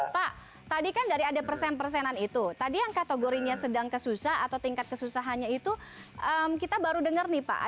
pak tadi kan dari ada persen persenan itu tadi yang kategorinya sedang kesusah atau tingkat kesusahannya itu kita baru dengar nih pak